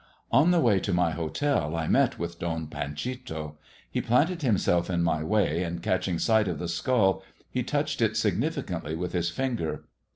On the way to my hotel I met with Don Panchito. He planted himself in my way, and, catching sight of the skull, he touched it significantly with his finger.